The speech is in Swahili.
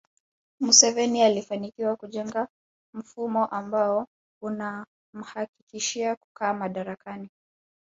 Museveni alifanikiwa kujenga mfumo ambao unamhakikishia kukaa madarakani